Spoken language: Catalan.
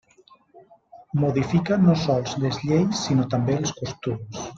Modifica no sols les lleis, sinó també els costums.